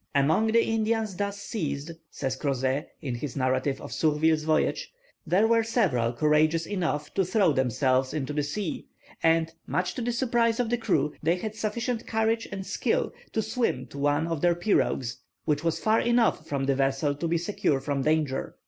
"Among the Indians thus seized," says Crozet, in his narrative of Surville's voyage, "there were several courageous enough to throw themselves into the sea, and, much to the surprise of the crew, they had sufficient courage and skill to swim to one of their pirogues, which was far enough from the vessel to be secure from danger."